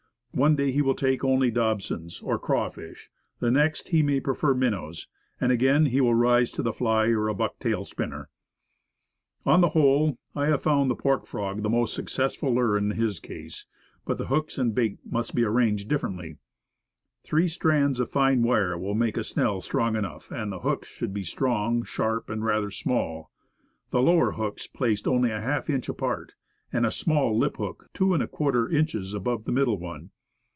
One day he will take only dobsons, or crawfish; the next, he may prefer minnows, and again, he will rise to the fly or a feathered spoon. On the whole, I have found the pork frog the most successful lure in his case; but the hooks and bait must be arranged differently. Three strands of fine wire will make a snell strong enough, and the hooks should be strong, sharp and rather small, the lower hooks placed only half an inch apart, and a small lip hook two and a quarter inches above the middle one.